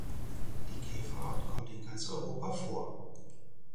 Die Käferart kommt in ganz Europa vor.